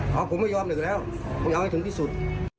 อ๋อผมไม่ยอมอีกแล้วผมจะินให้ถึงที่สุด